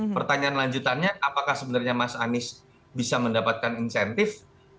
pertanyaan lanjutannya apakah sebenarnya mas anies bisa mendapatkan insentif